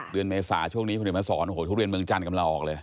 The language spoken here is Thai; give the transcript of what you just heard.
เมษาช่วงนี้คุณเดี๋ยวมาสอนโอ้โหทุเรียนเมืองจันทร์กำลังออกเลย